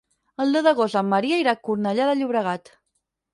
El deu d'agost en Maria irà a Cornellà de Llobregat.